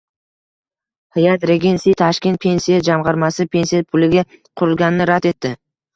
Hyatt Regency Tashkent Pensiya jamg'armasi pensiya puliga qurilganini rad etdi